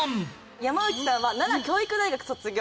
山内さんは奈良教育大学卒業。